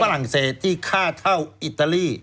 ฝรั่งเศสที่ค่าเท่าอิตาลี